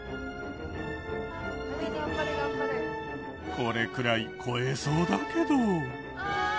これくらい越えそうだけど。